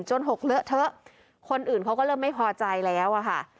หกเลอะเทอะคนอื่นเขาก็เริ่มไม่พอใจแล้วอะค่ะ